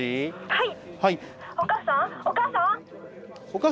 はい。